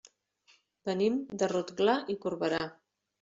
Venim de Rotglà i Corberà.